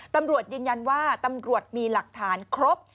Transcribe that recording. ตำรวจยืนยันว่าตำรวจมีหลักฐานครบ